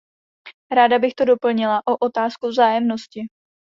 Ráda bych to doplnila o otázku vzájemnosti.